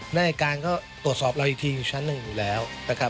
หน้าให้การก็ตรวจสอบเราอีกทีชั้นนึงอยู่แล้ว